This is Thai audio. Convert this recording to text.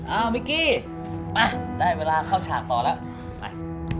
มิกกี้ไปได้เวลาเข้าฉากต่อแล้วไป